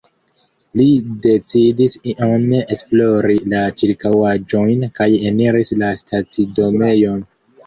Li decidis iom esplori la ĉirkaŭaĵojn, kaj eniris la stacidomejon.